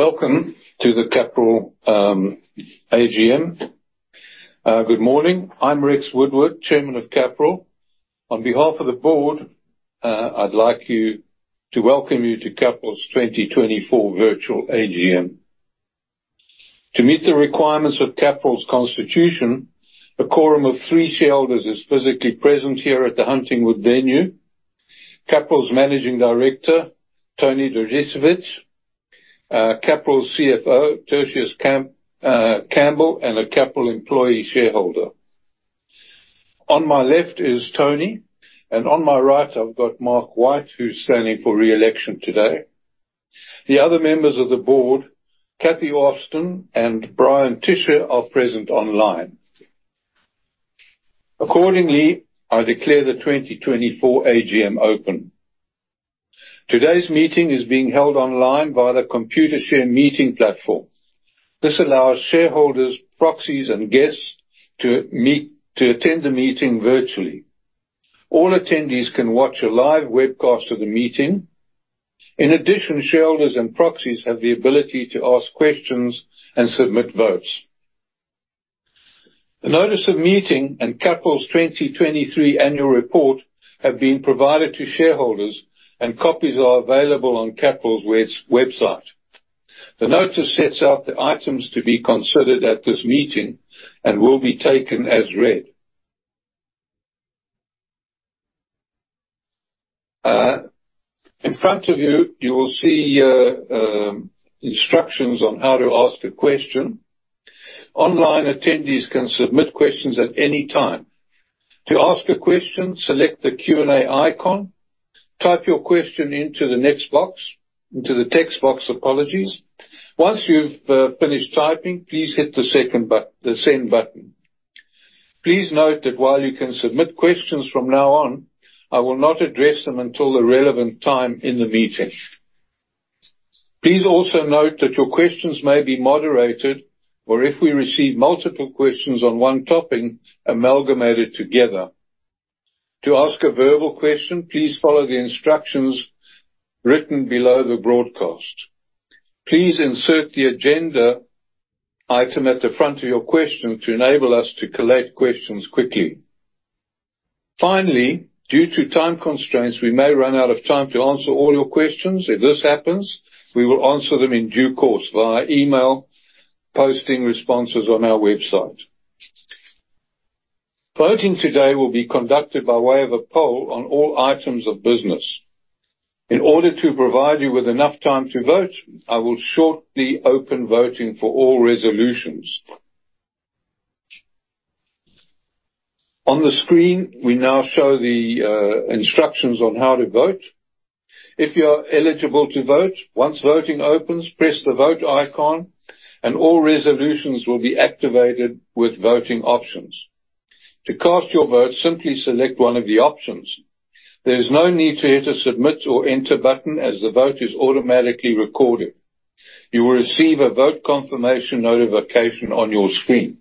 Welcome to the Capral AGM. Good morning. I'm Rex Wood-Ward, Chairman of Capral. On behalf of the board, I'd like you to welcome you to Capral's 2024 virtual AGM. To meet the requirements of Capral's constitution, a quorum of three shareholders is physically present here at the Huntingwood venue: Capral's Managing Director, Tony Dragicevich; Capral's CFO, Tertius Campbell; and a Capral employee shareholder. On my left is Tony, and on my right I've got Mark White, who's standing for re-election today. The other members of the board, Katherine Ostin and Bryan Tisher, are present online. Accordingly, I declare the 2024 AGM open. Today's meeting is being held online via the Computershare Meeting Platform. This allows shareholders, proxies, and guests to meet to attend the meeting virtually. All attendees can watch a live webcast of the meeting. In addition, shareholders and proxies have the ability to ask questions and submit votes. The notice of meeting and Capral's 2023 annual report have been provided to shareholders, and copies are available on Capral's website. The notice sets out the items to be considered at this meeting and will be taken as read. In front of you, you will see instructions on how to ask a question. Online attendees can submit questions at any time. To ask a question, select the Q&A icon, type your question into the text box. Apologies. Once you've finished typing, please hit the send button. Please note that while you can submit questions from now on, I will not address them until the relevant time in the meeting. Please also note that your questions may be moderated, or if we receive multiple questions on one topic, amalgamated together. To ask a verbal question, please follow the instructions written below the broadcast. Please insert the agenda item at the front of your question to enable us to collect questions quickly. Finally, due to time constraints, we may run out of time to answer all your questions. If this happens, we will answer them in due course via email, posting responses on our website. Voting today will be conducted by way of a poll on all items of business. In order to provide you with enough time to vote, I will shortly open voting for all resolutions. On the screen, we now show the instructions on how to vote. If you are eligible to vote, once voting opens, press the vote icon, and all resolutions will be activated with voting options. To cast your vote, simply select one of the options. There is no need to hit a submit or enter button as the vote is automatically recorded. You will receive a vote confirmation notification on your screen.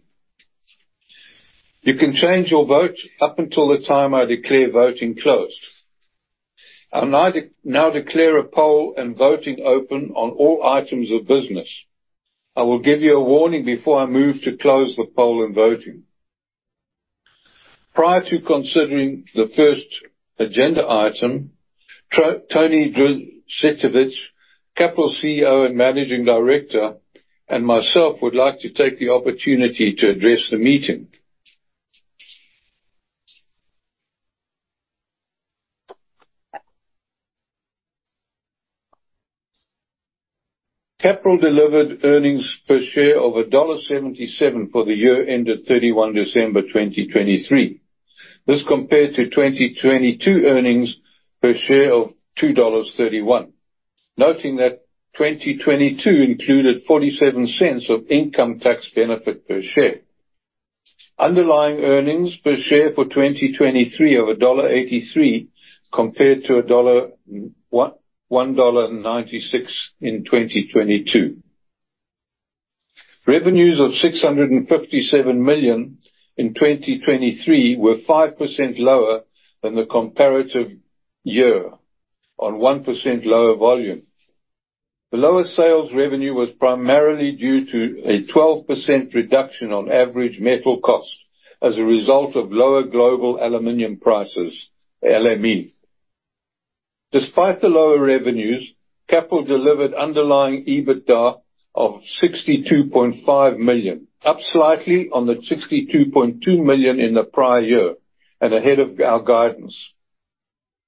You can change your vote up until the time I declare voting closed. I do now declare a poll and voting open on all items of business. I will give you a warning before I move to close the poll and voting. Prior to considering the first agenda item, Tony Dragicevich, Capral CEO and Managing Director, and myself would like to take the opportunity to address the meeting. Capral delivered earnings per share of dollar 1.77 for the year ended 31 December 2023. This compared to 2022 earnings per share of 2.31 dollars, noting that 2022 included 0.47 of income tax benefit per share. Underlying earnings per share for 2023 of dollar 1.83 compared to 1.196 dollar in 2022. Revenues of 657 million in 2023 were 5% lower than the comparative year, on 1% lower volume. The lower sales revenue was primarily due to a 12% reduction on average metal cost as a result of lower global aluminium prices, LME. Despite the lower revenues, Capral delivered underlying EBITDA of 62.5 million, up slightly on the 62.2 million in the prior year and ahead of our guidance.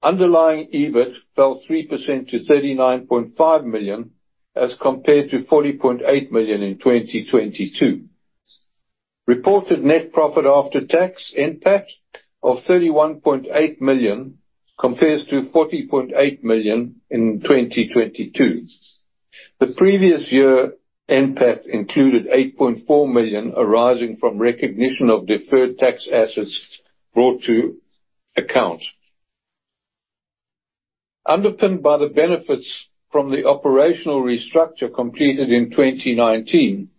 Underlying EBIT fell 3% to 39.5 million as compared to 40.8 million in 2022. Reported net profit after tax, NPAT, of 31.8 million compares to 40.8 million in 2022. The previous year NPAT included 8.4 million arising from recognition of deferred tax assets brought to account. Underpinned by the benefits from the operational restructure completed in 2019,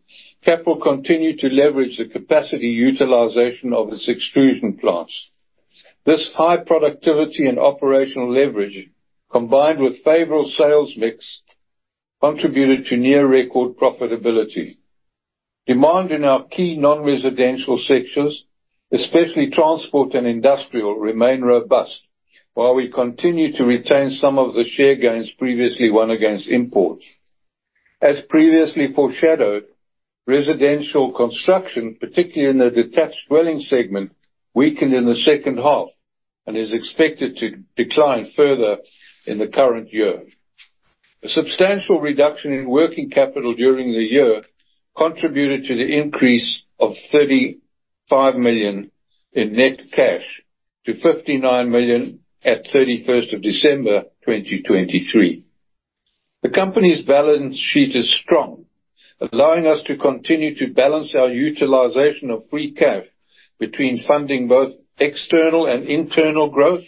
Capral continued to leverage the capacity utilization of its extrusion plants. This high productivity and operational leverage, combined with favorable sales mix, contributed to near-record profitability. Demand in our key non-residential sectors, especially transport and industrial, remained robust, while we continue to retain some of the share gains previously won against imports. As previously foreshadowed, residential construction, particularly in the detached dwelling segment, weakened in the second half and is expected to decline further in the current year. A substantial reduction in working capital during the year contributed to the increase of 35 million in net cash to 59 million at 31st of December 2023. The company's balance sheet is strong, allowing us to continue to balance our utilization of free cash between funding both external and internal growth,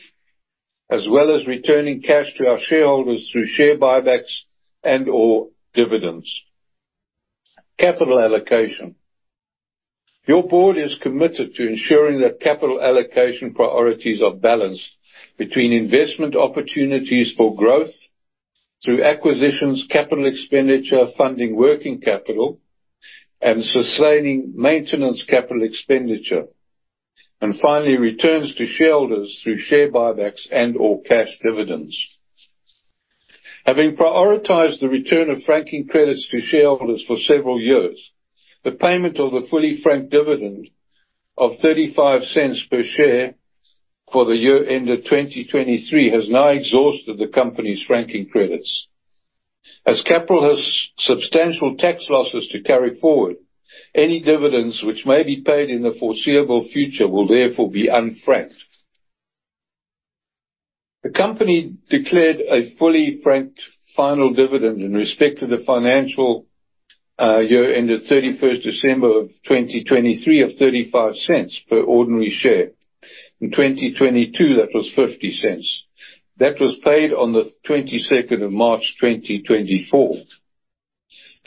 as well as returning cash to our shareholders through share buybacks and/or dividends. Capital allocation. Your board is committed to ensuring that capital allocation priorities are balanced between investment opportunities for growth through acquisitions, capital expenditure, funding working capital, and sustaining maintenance capital expenditure, and finally returns to shareholders through share buybacks and/or cash dividends. Having prioritized the return of franking credits to shareholders for several years, the payment of the fully franked dividend of 0.35 per share for the year ended 2023 has now exhausted the company's franking credits. As Capral has substantial tax losses to carry forward, any dividends which may be paid in the foreseeable future will therefore be unfranked. The company declared a fully franked final dividend in respect to the financial year ended 31st December of 2023 of 0.35 per ordinary share. In 2022, that was 0.50. That was paid on the 22nd of March 2024.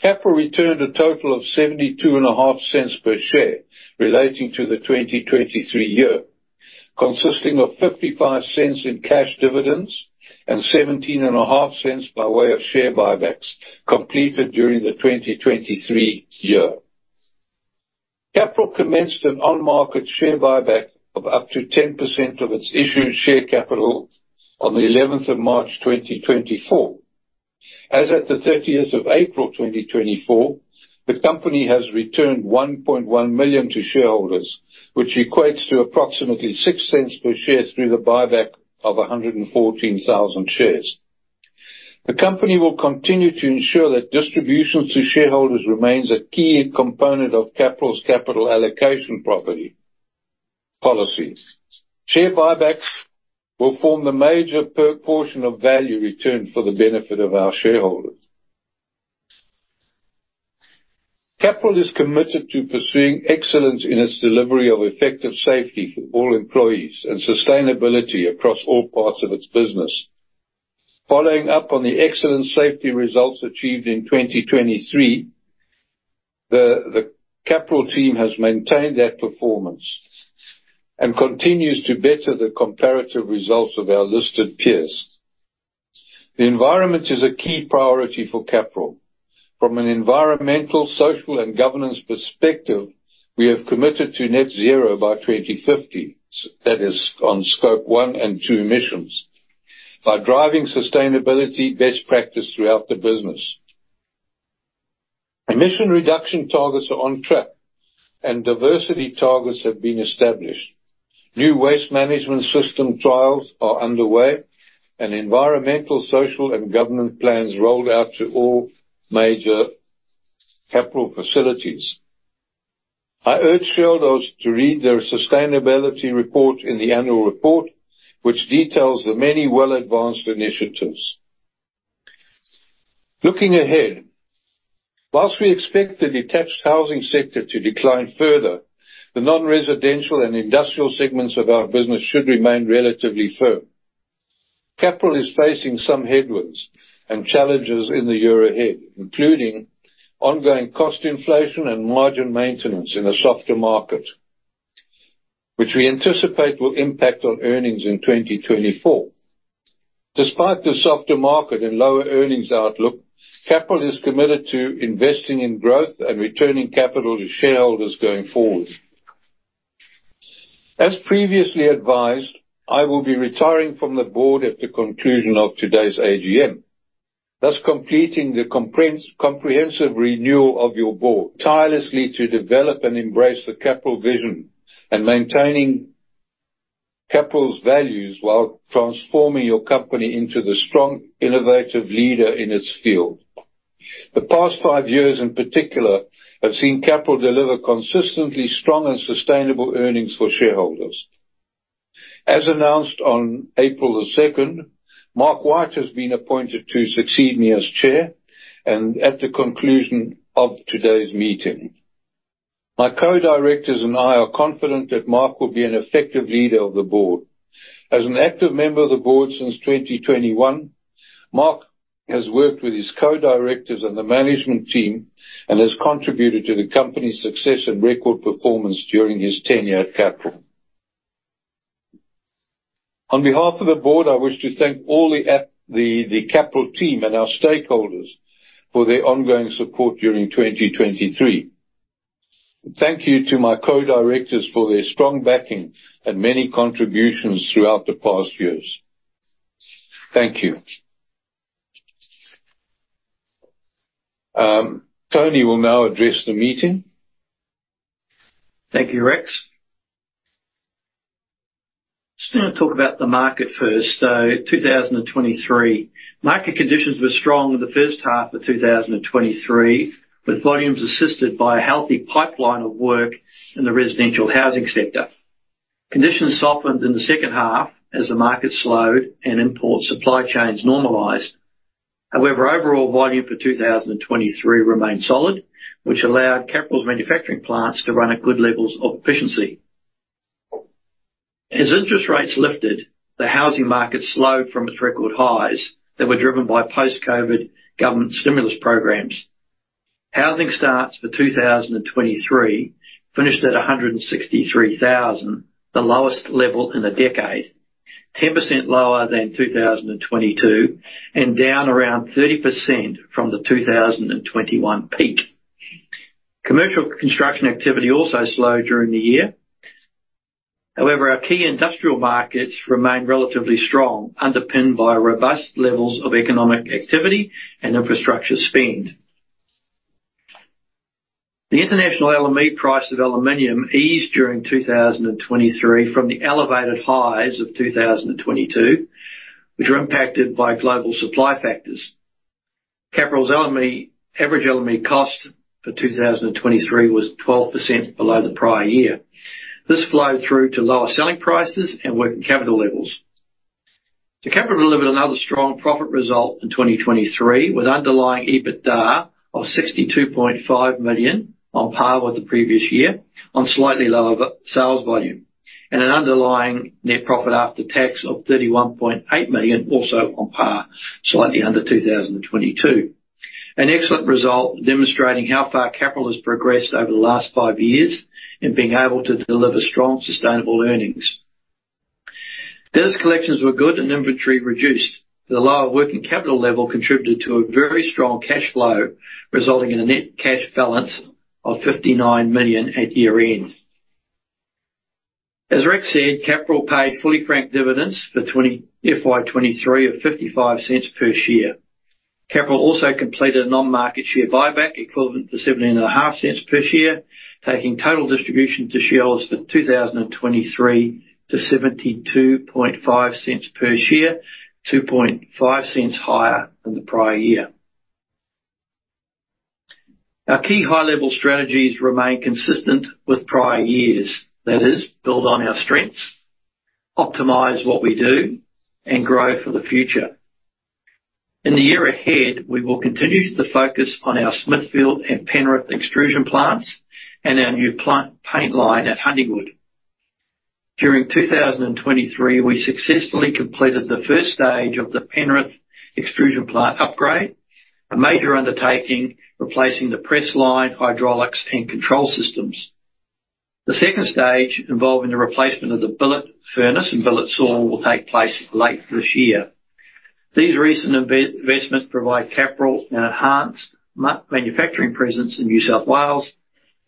Capral returned a total of 0.725 per share relating to the 2023 year, consisting of 0.55 in cash dividends and 0.175 by way of share buybacks completed during the 2023 year. Capral commenced an on-market share buyback of up to 10% of its issued share capital on the 11th of March 2024. As at the 30th of April 2024, the company has returned 1.1 million to shareholders, which equates to approximately 0.06 per share through the buyback of 114,000 shares. The company will continue to ensure that distributions to shareholders remain a key component of Capral's capital allocation priority policy. Share buybacks will form the major portion of value returned for the benefit of our shareholders. Capral is committed to pursuing excellence in its delivery of effective safety for all employees and sustainability across all parts of its business. Following up on the excellent safety results achieved in 2023, the Capral team has maintained that performance and continues to better the comparative results of our listed peers. The environment is a key priority for Capral. From an environmental, social, and governance perspective, we have committed to net zero by 2050. That is on Scope 1 and 2 emissions by driving sustainability best practice throughout the business. Emission reduction targets are on track, and diversity targets have been established. New waste management system trials are underway, and environmental, social, and governance plans rolled out to all major Capral facilities. I urge shareholders to read their sustainability report in the annual report, which details the many well-advanced initiatives. Looking ahead. Whilst we expect the detached housing sector to decline further, the non-residential and industrial segments of our business should remain relatively firm. Capral is facing some headwinds and challenges in the year ahead, including ongoing cost inflation and margin maintenance in the softer market, which we anticipate will impact on earnings in 2024. Despite the softer market and lower earnings outlook, Capral is committed to investing in growth and returning capital to shareholders going forward. As previously advised, I will be retiring from the board at the conclusion of today's AGM, thus completing the comprehensive renewal of your board. Tirelessly to develop and embrace the Capral vision and maintaining Capral's values while transforming your company into the strong, innovative leader in its field. The past five years in particular have seen Capral deliver consistently strong and sustainable earnings for shareholders. As announced on April the 2nd, Mark White has been appointed to succeed me as chair and at the conclusion of today's meeting. My co-directors and I are confident that Mark will be an effective leader of the board. As an active member of the board since 2021, Mark has worked with his co-directors and the management team and has contributed to the company's success and record performance during his tenure at Capral. On behalf of the board, I wish to thank all at the Capral team and our stakeholders for their ongoing support during 2023. Thank you to my co-directors for their strong backing and many contributions throughout the past years. Thank you. Tony will now address the meeting. Thank you, Rex. Just gonna talk about the market first, 2023. Market conditions were strong in the first half of 2023, with volumes assisted by a healthy pipeline of work in the residential housing sector. Conditions softened in the second half as the market slowed and import supply chains normalized. However, overall volume for 2023 remained solid, which allowed Capral's manufacturing plants to run at good levels of efficiency. As interest rates lifted, the housing market slowed from its record highs that were driven by post-COVID government stimulus programs. Housing starts for 2023 finished at 163,000, the lowest level in a decade, 10% lower than 2022, and down around 30% from the 2021 peak. Commercial construction activity also slowed during the year. However, our key industrial markets remained relatively strong, underpinned by robust levels of economic activity and infrastructure spend. The international LME price of aluminium eased during 2023 from the elevated highs of 2022, which were impacted by global supply factors. Capral's LME average LME cost for 2023 was 12% below the prior year. This flowed through to lower selling prices and working capital levels. Capral delivered another strong profit result in 2023 with underlying EBITDA of 62.5 million on par with the previous year, on slightly lower sales volume, and an underlying net profit after tax of 31.8 million, also on par, slightly under 2022. An excellent result demonstrating how far Capral has progressed over the last five years in being able to deliver strong, sustainable earnings. Debtors collections were good and inventory reduced. The lower working capital level contributed to a very strong cash flow, resulting in a net cash balance of 59 million at year end. As Rex said, Capral paid fully franked dividends for FY23 of 0.55 per share. Capral also completed an on-market share buyback equivalent to 0.175 per share, taking total distribution to shareholders for 2023 to 0.725 per share, 0.025 higher than the prior year. Our key high-level strategies remain consistent with prior years. That is, build on our strengths, optimize what we do, and grow for the future. In the year ahead, we will continue to focus on our Smithfield and Penrith extrusion plants and our new plant paint line at Huntingwood. During 2023, we successfully completed the first stage of the Penrith extrusion plant upgrade, a major undertaking replacing the press line, hydraulics, and control systems. The second stage, involving the replacement of the billet furnace and billet saw, will take place late this year. These recent investments provide Capral an enhanced manufacturing presence in New South Wales,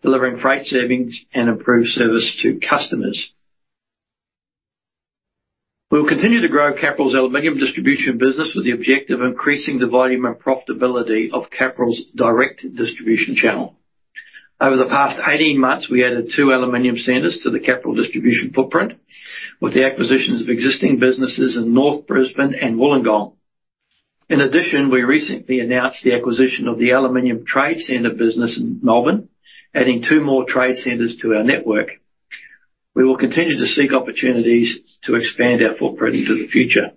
delivering freight savings and improved service to customers. We will continue to grow Capral's aluminium distribution business with the objective of increasing the volume and profitability of Capral's direct distribution channel. Over the past 18 months, we added 2 aluminium centres to the Capral distribution footprint with the acquisitions of existing businesses in North Brisbane and Wollongong. In addition, we recently announced the acquisition of the Aluminium Trade Centre business in Melbourne, adding 2 more trade centres to our network. We will continue to seek opportunities to expand our footprint into the future.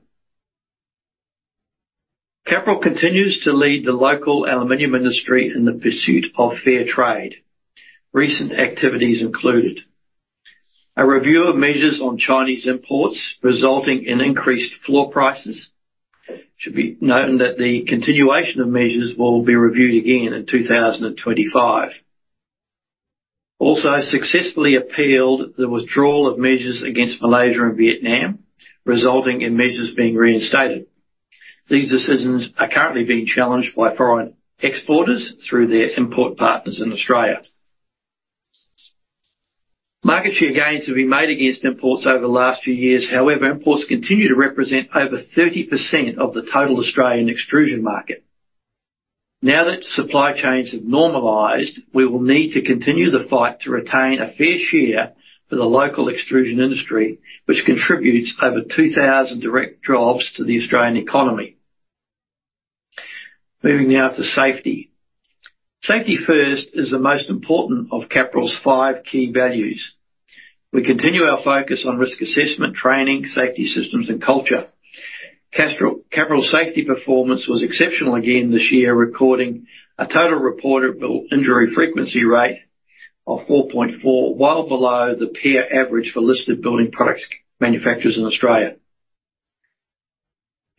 Capral continues to lead the local aluminium industry in the pursuit of fair trade. Recent activities included a review of measures on Chinese imports resulting in increased floor prices. It should be noted that the continuation of measures will be reviewed again in 2025. Also, successfully appealed the withdrawal of measures against Malaysia and Vietnam, resulting in measures being reinstated. These decisions are currently being challenged by foreign exporters through their import partners in Australia. Market share gains have been made against imports over the last few years. However, imports continue to represent over 30% of the total Australian extrusion market. Now that supply chains have normalized, we will need to continue the fight to retain a fair share for the local extrusion industry, which contributes over 2,000 direct jobs to the Australian economy. Moving now to safety. Safety first is the most important of Capral's five key values. We continue our focus on risk assessment, training, safety systems, and culture. Capral's safety performance was exceptional again this year, recording a total reported injury frequency rate of 4.4, well below the peer average for listed building products manufacturers in Australia.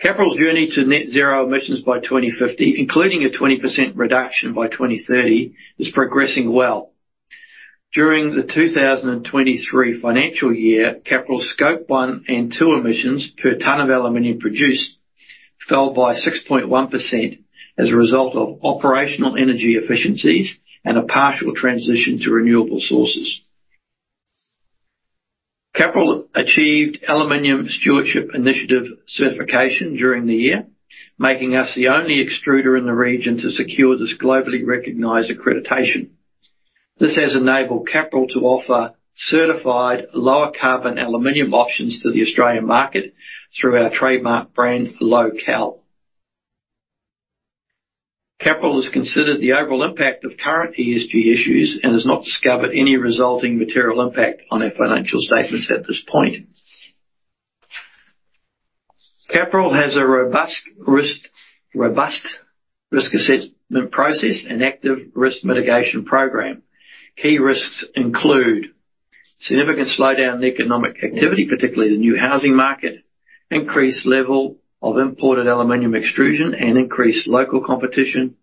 Capral's journey to net zero emissions by 2050, including a 20% reduction by 2030, is progressing well. During the 2023 financial year, Capral's Scope 1 and 2 emissions per tonne of aluminium produced fell by 6.1% as a result of operational energy efficiencies and a partial transition to renewable sources. Capral achieved Aluminium Stewardship Initiative certification during the year, making us the only extruder in the region to secure this globally recognized accreditation. This has enabled Capral to offer certified lower carbon aluminium options to the Australian market through our trademark brand LocAl. Capral has considered the overall impact of current ESG issues and has not discovered any resulting material impact on their financial statements at this point. Capral has a robust risk assessment process and active risk mitigation program. Key risks include significant slowdown in economic activity, particularly the new housing market, increased level of imported aluminium extrusion, and increased local competition.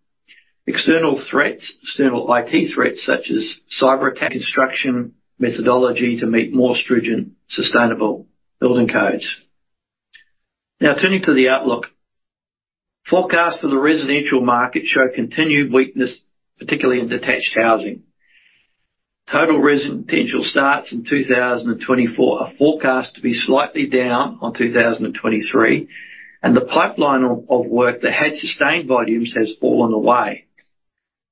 External threats, external IT threats such as cyber. Construction methodology to meet more stringent sustainable building codes. Now, turning to the outlook. Forecasts for the residential market show continued weakness, particularly in detached housing. Total residential starts in 2024 are forecast to be slightly down on 2023, and the pipeline of work that had sustained volumes has fallen away.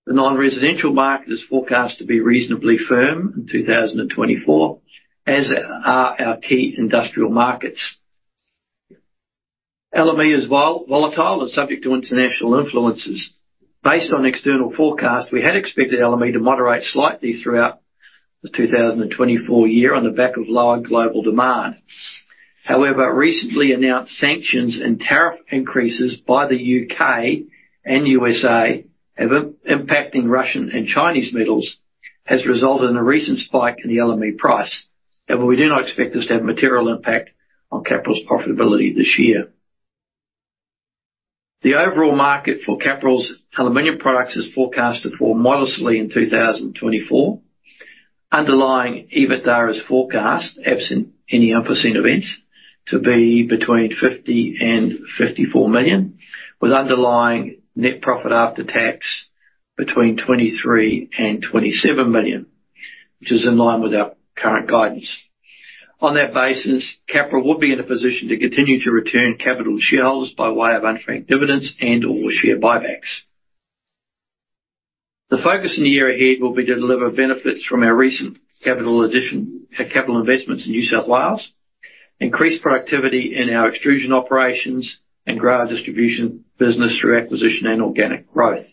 The non-residential market is forecast to be reasonably firm in 2024, as are our key industrial markets. LME is volatile and subject to international influences. Based on external forecasts, we had expected LME to moderate slightly throughout the 2024 year on the back of lower global demand. However, recently announced sanctions and tariff increases by the U.K. and USA impacting Russian and Chinese metals have resulted in a recent spike in the LME price. However, we do not expect this to have a material impact on Capral's profitability this year. The overall market for Capral's aluminium products is forecast to fall modestly in 2024. Underlying EBITDA is forecast, absent any unforeseen events, to be between 50 million and 54 million, with underlying net profit after tax between 23 million and 27 million, which is in line with our current guidance. On that basis, Capral would be in a position to continue to return capital to shareholders by way of unfranked dividends and/or share buybacks. The focus in the year ahead will be to deliver benefits from our recent capital investments in New South Wales, increase productivity in our extrusion operations, and grow our distribution business through acquisition and organic growth.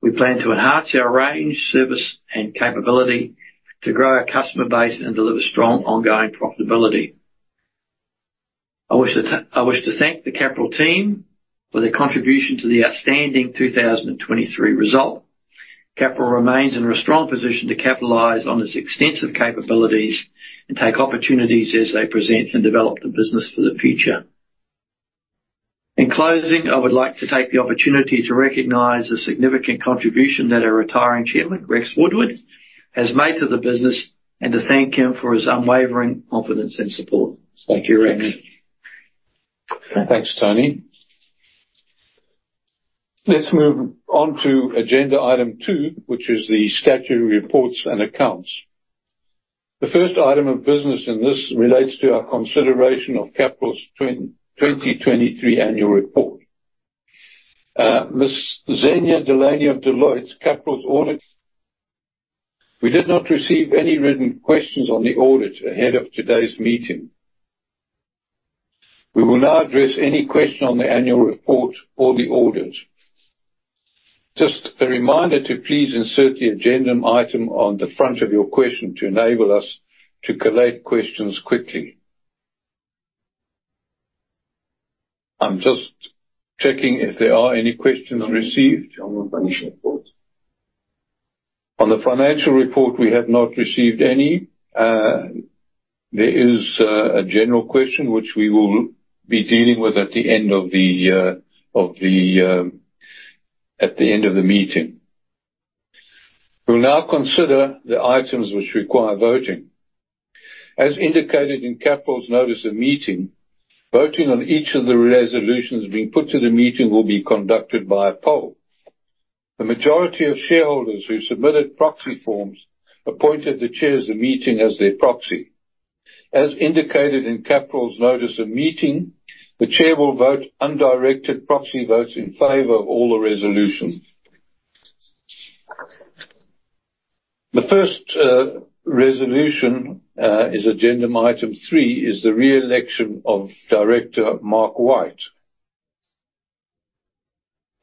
We plan to enhance our range, service, and capability to grow our customer base and deliver strong, ongoing profitability. I wish to thank the Capral team for their contribution to the outstanding 2023 result. Capral remains in a strong position to capitalize on its extensive capabilities and take opportunities as they present and develop the business for the future. In closing, I would like to take the opportunity to recognize the significant contribution that our retiring chairman, Rex Wood-Ward, has made to the business and to thank him for his unwavering confidence and support. Thank you, Rex. Thanks, Tony. Let's move on to agenda item two, which is the statutory reports and accounts. The first item of business in this relates to our consideration of Capral's 2023 annual report. Ms. Xenia Delaney of Deloitte, Capral's auditor. We did not receive any written questions on the audit ahead of today's meeting. We will now address any question on the annual report or the audit. Just a reminder to please insert the agenda item on the front of your question to enable us to collate questions quickly. I'm just checking if there are any questions received. On the financial report, we have not received any. There is a general question, which we will be dealing with at the end of the at the end of the meeting. We will now consider the items which require voting. As indicated in Capral's notice of meeting, voting on each of the resolutions being put to the meeting will be conducted by a poll. The majority of shareholders who submitted proxy forms appointed the chair of the meeting as their proxy. As indicated in Capral's notice of meeting, the chair will vote undirected proxy votes in favor of all the resolutions. The first resolution, agenda item three, is the re-election of Director Mark White.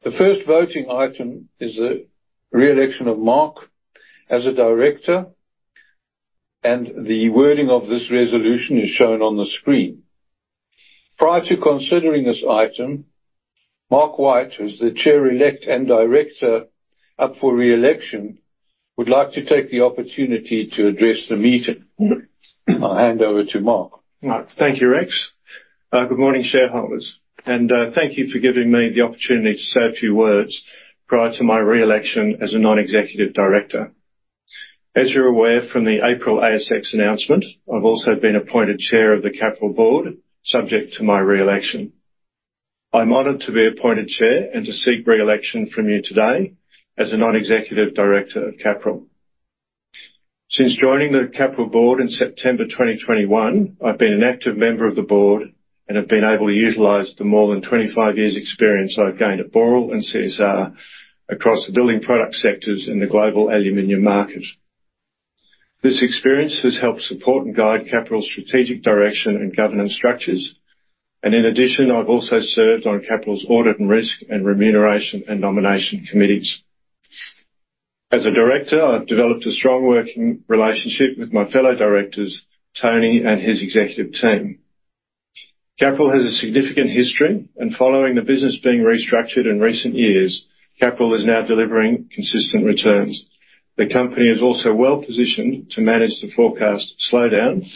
The first voting item is the re-election of Mark as a director, and the wording of this resolution is shown on the screen. Prior to considering this item, Mark White, who is the chair-elect and director up for re-election, would like to take the opportunity to address the meeting. I'll hand over to Mark. Thank you, Rex. Good morning, shareholders. Thank you for giving me the opportunity to say a few words prior to my re-election as a non-executive director. As you're aware from the April ASX announcement, I've also been appointed chair of the Capral board, subject to my re-election. I'm honored to be appointed chair and to seek re-election from you today as a non-executive director of Capral. Since joining the Capral board in September 2021, I've been an active member of the board and have been able to utilize the more than 25 years' experience I've gained at Boral and CSR across the building product sectors and the global aluminium market. This experience has helped support and guide Capral's strategic direction and governance structures. In addition, I've also served on Capral's audit and risk and remuneration and nomination committees. As a director, I've developed a strong working relationship with my fellow directors, Tony, and his executive team. Capral has a significant history, and following the business being restructured in recent years, Capral is now delivering consistent returns. The company is also well-positioned to manage the forecast slowdown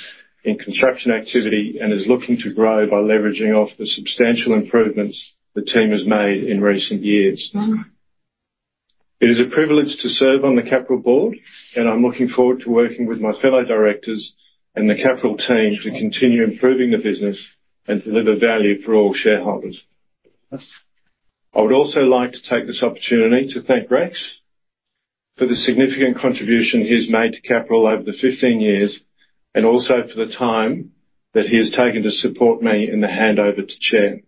in construction activity and is looking to grow by leveraging off the substantial improvements the team has made in recent years. It is a privilege to serve on the Capral board, and I'm looking forward to working with my fellow directors and the Capral team to continue improving the business and deliver value for all shareholders. I would also like to take this opportunity to thank Rex for the significant contribution he has made to Capral over the 15 years and also for the time that he has taken to support me in the handover to chair.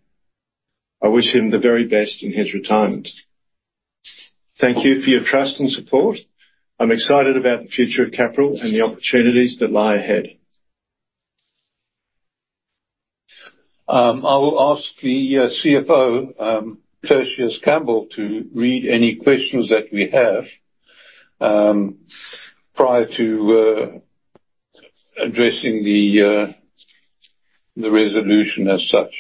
I wish him the very best in his retirement. Thank you for your trust and support. I'm excited about the future of Capral and the opportunities that lie ahead. I will ask the CFO, Tertius Campbell, to read any questions that we have prior to addressing the resolution as such.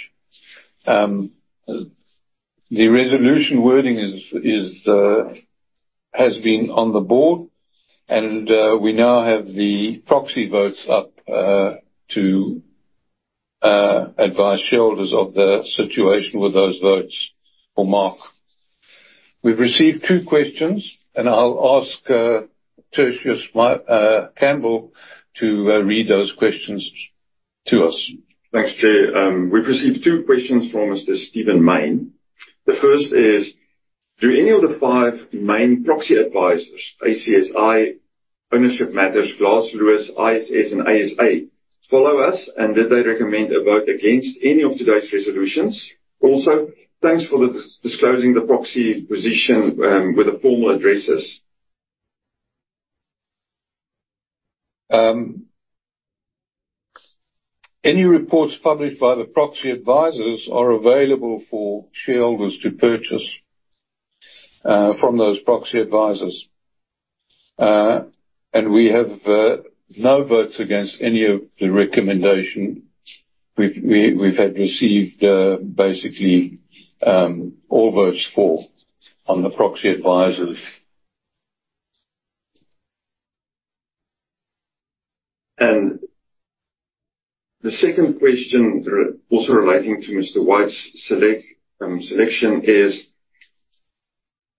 The resolution wording has been on the board, and we now have the proxy votes up to advise shareholders of the situation with those votes for Mark. We've received two questions, and I'll ask Tertius Campbell to read those questions to us. Thanks, Chair. We've received two questions from Mr. Stephen Mayne. The first is, do any of the five main proxy advisors, ACSI, Ownership Matters, Glass Lewis, ISS, and ASA, follow us, and did they recommend a vote against any of today's resolutions? Also, thanks for disclosing the proxy position with the formal addresses. Any reports published by the proxy advisors are available for shareholders to purchase from those proxy advisors. We have no votes against any of the recommendation we've had received, basically all votes for, on the proxy advisors. The second question, also relating to Mr. White's selection, is,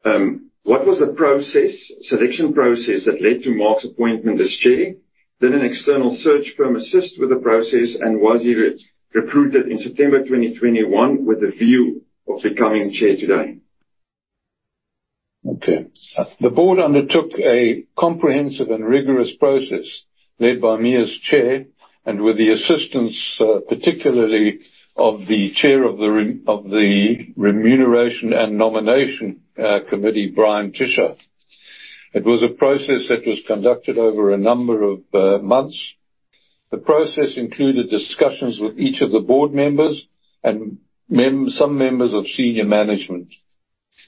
what was the selection process that led to Mark's appointment as chair? Did an external search firm assist with the process, and was he recruited in September 2021 with the view of becoming chair today? Okay. The board undertook a comprehensive and rigorous process led by me as chair and with the assistance, particularly, of the chair of the remuneration and nomination committee, Bryan Tisher. It was a process that was conducted over a number of months. The process included discussions with each of the board members and some members of senior management.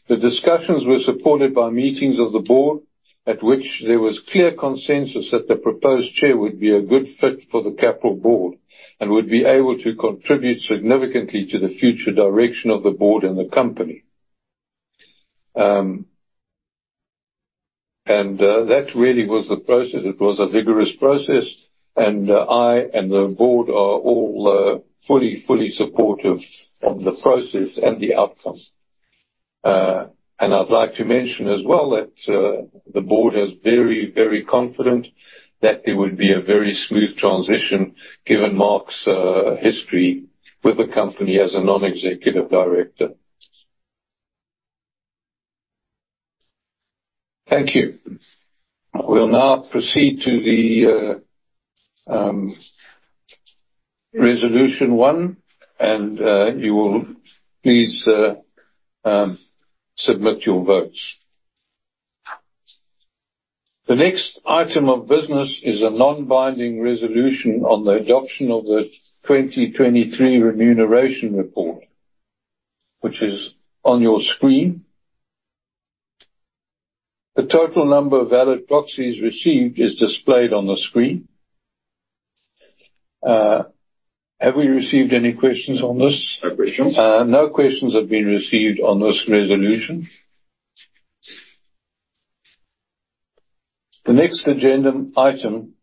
The discussions were supported by meetings of the board at which there was clear consensus that the proposed chair would be a good fit for the Capral board and would be able to contribute significantly to the future direction of the board and the company. That really was the process. It was a vigorous process, and I and the board are all fully, fully supportive of the process and the outcome. And I'd like to mention as well that the board is very, very confident that there would be a very smooth transition given Mark's history with the company as a non-executive director. Thank you. We'll now proceed to the resolution one, and you will please submit your votes. The next item of business is a non-binding resolution on the adoption of the 2023 remuneration report, which is on your screen. The total number of valid proxies received is displayed on the screen. Have we received any questions on this? No questions. No questions have been received on this resolution. The next agenda item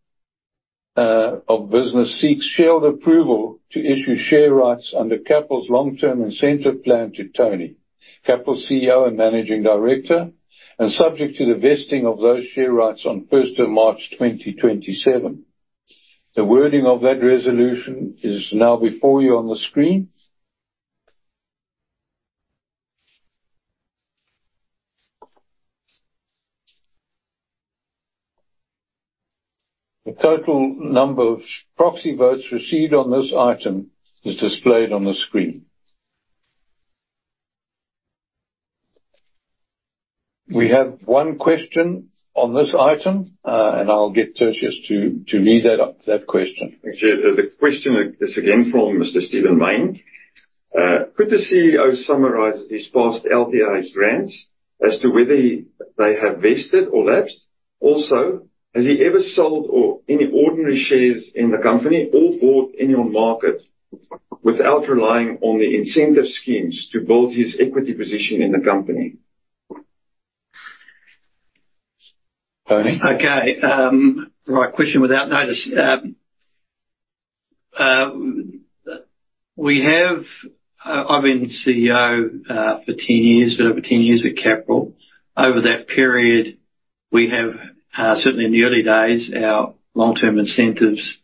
of business seeks shareholder approval to issue share rights under Capral's long-term incentive plan to Tony, Capral's CEO and Managing Director, and subject to the vesting of those share rights on 1st of March 2027. The wording of that resolution is now before you on the screen. The total number of proxy votes received on this item is displayed on the screen. We have one question on this item, and I'll get Tertius to read that question. Chair, the question is again from Mr. Stephen Mayne. Could the CEO summarize his past LTI grants as to whether they have vested or lapsed? Also, has he ever sold any ordinary shares in the company or bought any on market without relying on the incentive schemes to build his equity position in the company? Tony? Okay. Right. Question without notice. I've been CEO for 10 years, been over 10 years at Capral. Over that period, we have, certainly in the early days, our long-term incentives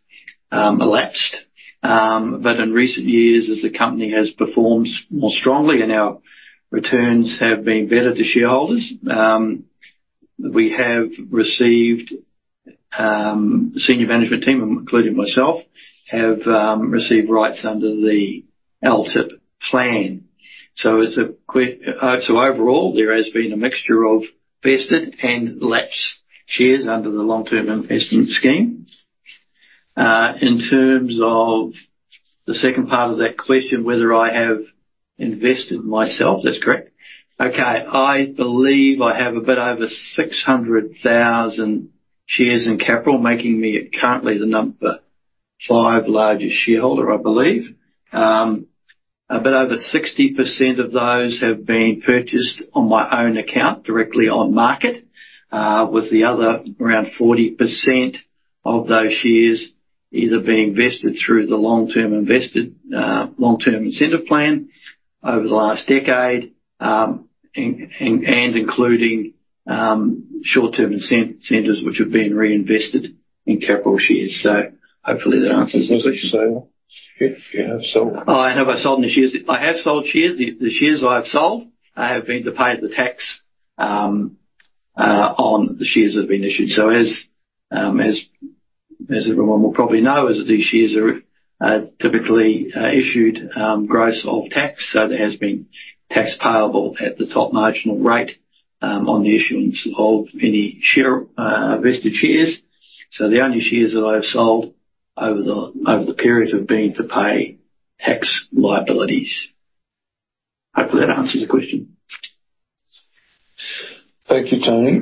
lapsed. But in recent years, as the company has performed more strongly and our returns have been better to shareholders, we have received senior management team, including myself, have received rights under the LTIP plan. So overall, there has been a mixture of vested and lapsed shares under the long-term incentive scheme. In terms of the second part of that question, whether I have invested myself, that's correct. Okay. I believe I have a bit over 600,000 shares in Capral, making me currently the number five largest shareholder, I believe. A bit over 60% of those have been purchased on my own account directly on market, with the other around 40% of those shares either being vested through the long-term incentive plan over the last decade and including short-term incentives, which have been reinvested in Capral shares. So hopefully, that answers the question. Is that what you're saying? You have sold? Oh, and have I sold any shares? I have sold shares. The shares I have sold have been to pay the tax on the shares that have been issued. So as everyone will probably know, these shares are typically issued gross off tax, so there has been tax payable at the top marginal rate on the issuance of any vested shares. So the only shares that I have sold over the period have been to pay tax liabilities. Hopefully, that answers the question. Thank you, Tony.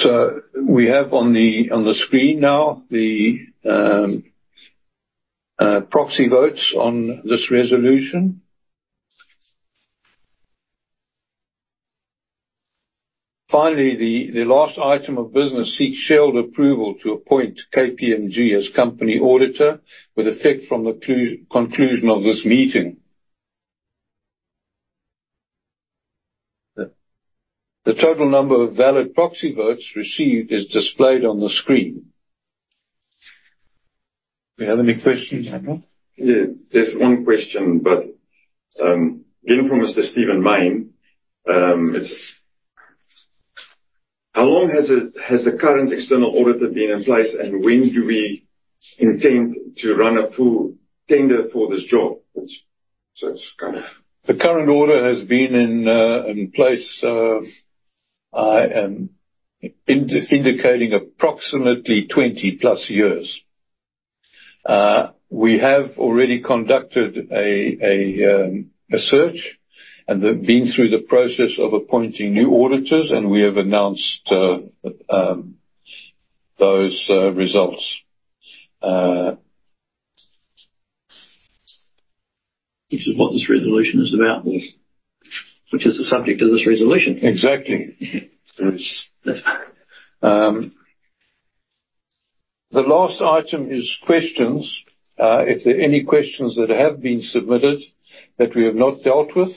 So we have on the screen now the proxy votes on this resolution. Finally, the last item of business seeks shareholder approval to appoint KPMG as company auditor with effect from the conclusion of this meeting. The total number of valid proxy votes received is displayed on the screen. Do we have any questions, Andrew? Yeah. There's one question, but again, from Mr. Stephen Mayne. How long has the current external auditor been in place, and when do we intend to run a full tender for this job? The current auditor has been in place. I am indicating approximately 20+ years. We have already conducted a search and been through the process of appointing new auditors, and we have announced those results. Which is what this resolution is about, which is the subject of this resolution. Exactly. The last item is questions. If there are any questions that have been submitted that we have not dealt with,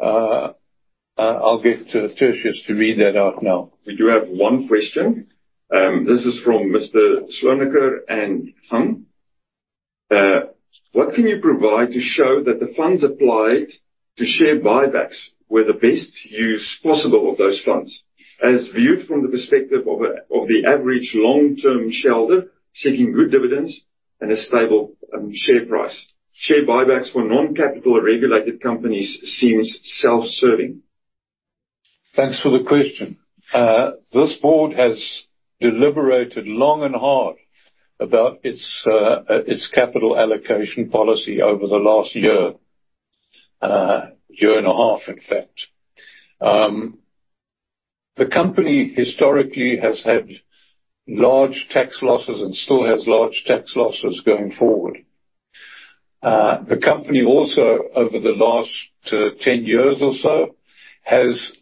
I'll get Tertius to read that out now. We do have one question. This is from Mr. Sloanaker and Hung. What can you provide to show that the funds applied to share buybacks were the best use possible of those funds, as viewed from the perspective of the average long-term shareholder seeking good dividends and a stable share price? Share buybacks for non-capital-regulated companies seem self-serving. Thanks for the question. This board has deliberated long and hard about its capital allocation policy over the last year, year and a half, in fact. The company historically has had large tax losses and still has large tax losses going forward. The company also, over the last 10 years or so, has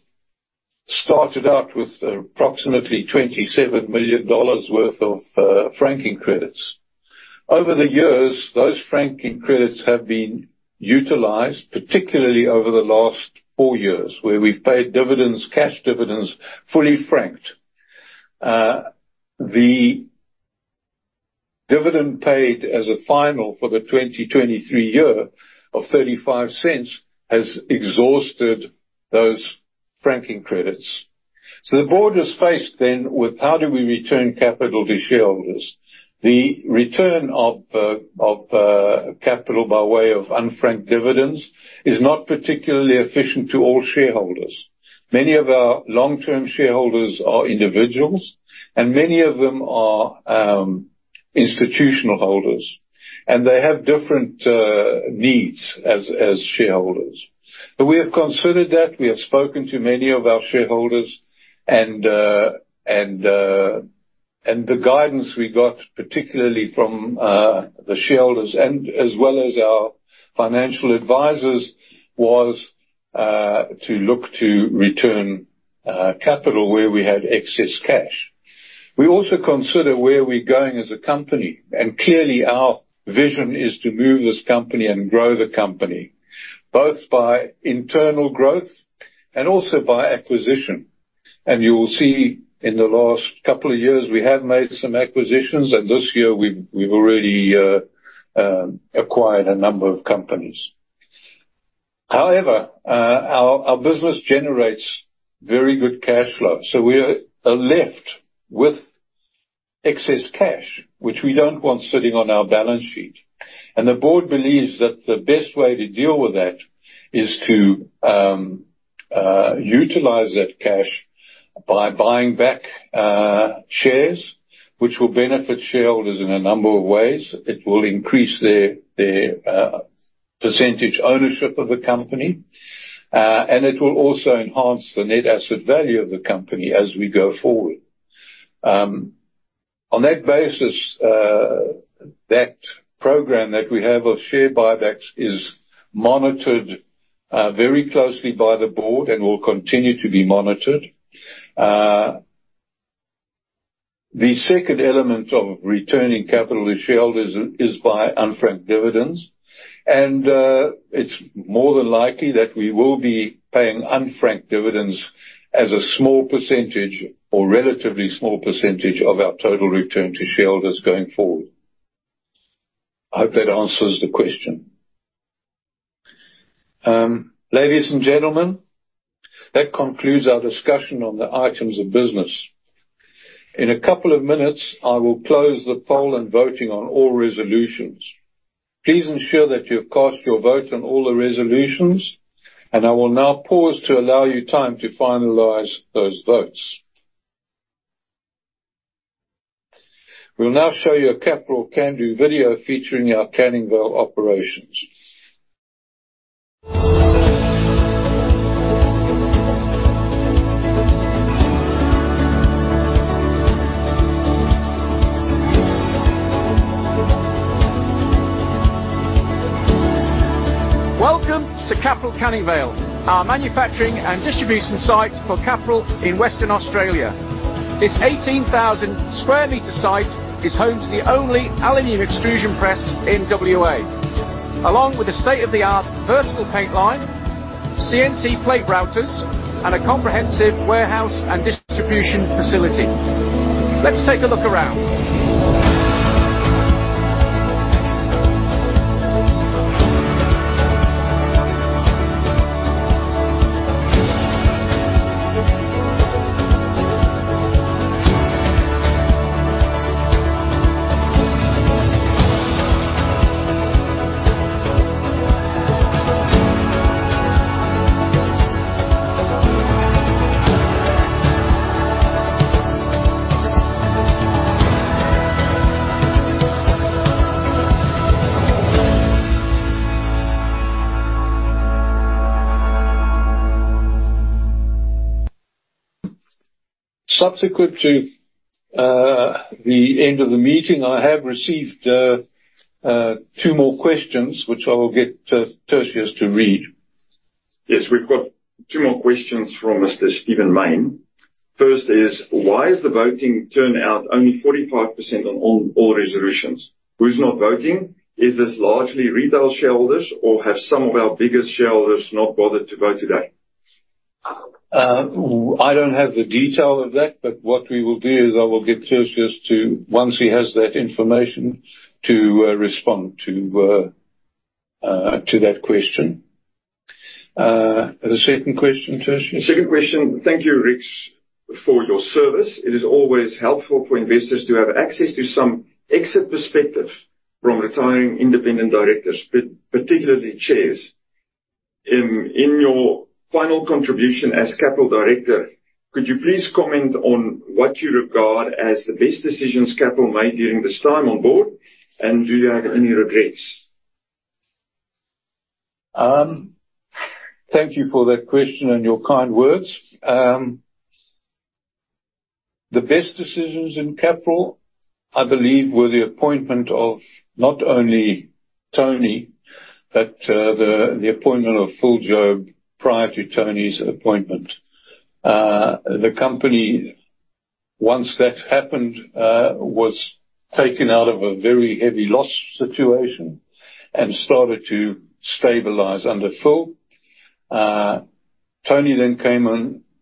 started out with approximately 27 million dollars worth of franking credits. Over the years, those franking credits have been utilized, particularly over the last four years, where we've paid cash dividends fully franked. The dividend paid as a final for the 2023 year of 0.35 has exhausted those franking credits. So the board is faced then with, how do we return capital to shareholders? The return of capital by way of unfranked dividends is not particularly efficient to all shareholders. Many of our long-term shareholders are individuals, and many of them are institutional holders, and they have different needs as shareholders. But we have considered that. We have spoken to many of our shareholders, and the guidance we got, particularly from the shareholders as well as our financial advisors, was to look to return capital where we had excess cash. We also consider where we're going as a company. Clearly, our vision is to move this company and grow the company, both by internal growth and also by acquisition. You will see in the last couple of years, we have made some acquisitions, and this year, we've already acquired a number of companies. However, our business generates very good cash flow. So we're left with excess cash, which we don't want sitting on our balance sheet. And the board believes that the best way to deal with that is to utilize that cash by buying back shares, which will benefit shareholders in a number of ways. It will increase their percentage ownership of the company, and it will also enhance the net asset value of the company as we go forward. On that basis, that program that we have of share buybacks is monitored very closely by the board and will continue to be monitored. The second element of returning capital to shareholders is by unfranked dividends. It's more than likely that we will be paying unfranked dividends as a small percentage or relatively small percentage of our total return to shareholders going forward. I hope that answers the question. Ladies and gentlemen, that concludes our discussion on the items of business. In a couple of minutes, I will close the poll and voting on all resolutions. Please ensure that you have cast your vote on all the resolutions, and I will now pause to allow you time to finalize those votes. We'll now show you a Capral Canning Vale video featuring our Canning Vale operations. Welcome to Capral Canning Vale, our manufacturing and distribution site for Capral in Western Australia. This 18,000-square-meter site is home to the only aluminium extrusion press in WA, along with a state-of-the-art vertical paint line, CNC plate routers, and a comprehensive warehouse and distribution facility. Let's take a look around. Subsequent to the end of the meeting, I have received two more questions, which I will get Tertius to read. Yes. We've got two more questions from Mr. Stephen Mayne. First is, why is the voting turned out only 45% on all resolutions? Who's not voting? Is this largely retail shareholders, or have some of our biggest shareholders not bothered to vote today? I don't have the detail of that, but what we will do is I will get Tertius to, once he has that information, respond to that question. The second question, Tertius? Second question. Thank you, Rex, for your service. It is always helpful for investors to have access to some exit perspective from retiring independent directors, particularly chairs. In your final contribution as Capral director, could you please comment on what you regard as the best decisions Capral made during this time on board, and do you have any regrets? Thank you for that question and your kind words. The best decisions in Capral, I believe, were the appointment of not only Tony, but the appointment of Phil Jobe prior to Tony's appointment. The company, once that happened, was taken out of a very heavy loss situation and started to stabilize under Phil. Tony then came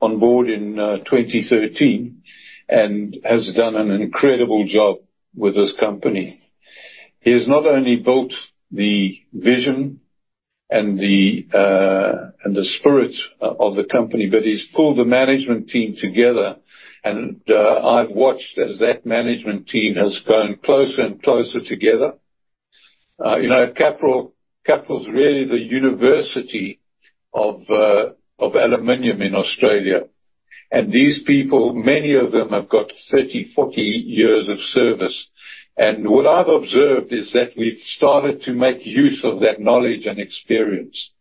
on board in 2013 and has done an incredible job with this company. He has not only built the vision and the spirit of the company, but he's pulled the management team together. I've watched as that management team has grown closer and closer together. Capral's really the university of aluminium in Australia. These people, many of them, have got 30, 40 years of service. What I've observed is that we've started to make use of that knowledge and experience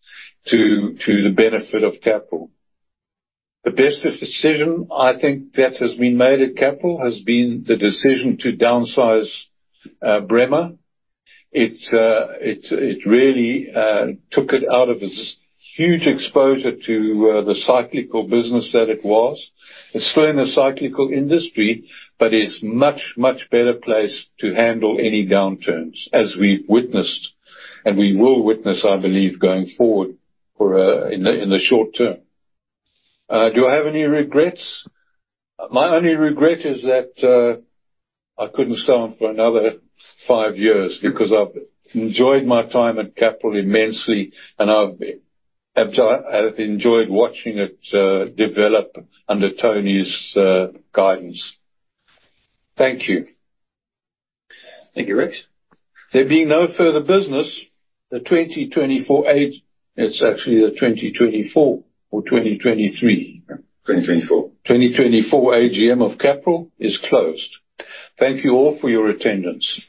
to the benefit of Capral. The best decision, I think, that has been made at Capral has been the decision to downsize Bremer. It really took it out of its huge exposure to the cyclical business that it was. It's still in a cyclical industry, but it's a much, much better place to handle any downturns, as we've witnessed and we will witness, I believe, going forward in the short term. Do I have any regrets? My only regret is that I couldn't stay on for another five years because I've enjoyed my time at Capral immensely, and I've enjoyed watching it develop under Tony's guidance. Thank you. Thank you, Rick. There being no further business, the 2024 AGM. It's actually the 2024 or 2023. 2024. 2024 AGM of Capral is closed. Thank you all for your attendance.